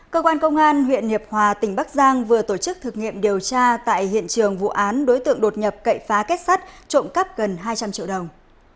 cơ quan công an huyện hiệp hòa tỉnh bắc giang vừa tổ chức thực nghiệm điều tra tại hiện trường vụ án đối tượng đột nhập cậy phá kết sắt trộm cắp gần hai trăm linh triệu đồng